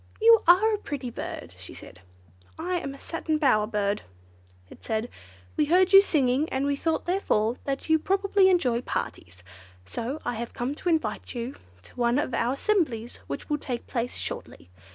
"You are a pretty bird!" she said. "I am a Satin Bower Bird," it said. "We heard you singing, and we thought, therefore, that you probably enjoy parties, so I have come to invite you to one of our assemblies which will take place shortly.